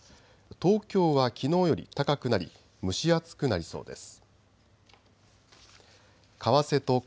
東京はきのうより高くなり蒸し暑くなりそうです。